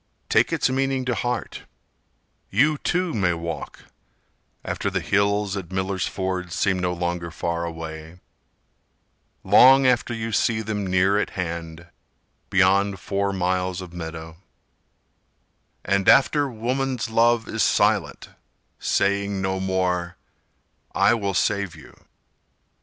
Take its meaning to heart: You too may walk, after the hills at Miller's Ford Seem no longer far away; Long after you see them near at hand, Beyond four miles of meadow; And after woman's love is silent Saying no more: "I will save you."